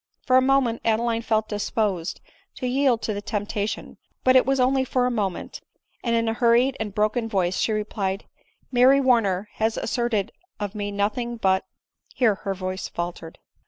For a moment Adeline felt disposed to yield to the temptation, but it was only for a moment — and in a hurried and broken voice she replied, " Mary War ner has asserted of me nothing but —" Here her voice faltered.